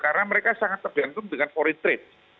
karena mereka sangat terbentuk dengan foreign trade